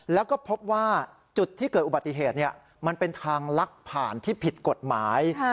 แล้วก็พบว่าจุดที่เกิดอุบัติเหตุมันเป็นทางลักผ่านที่ผิดกฎหมาย